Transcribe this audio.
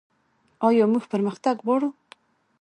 آیا موږ پرمختګ غواړو؟